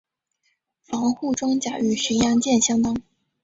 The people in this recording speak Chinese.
防护装甲与巡洋舰相当。